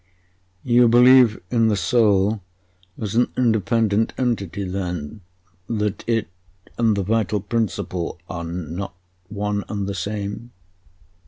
"You believe in the soul as an independent entity, then that it and the vital principle are not one and the same?"